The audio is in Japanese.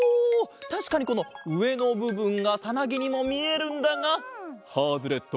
たしかにこのうえのぶぶんがさなぎにもみえるんだがハズレット！